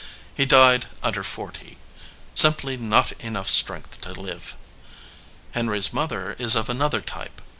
He died under forty, simply not enough strength to live. Henry s mother is of another type.